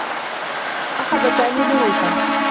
أخذ سامي دروسا.